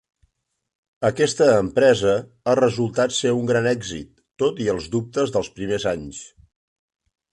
Aquesta empresa ha resultat ser un gran èxit, tot i els dubtes dels primers anys.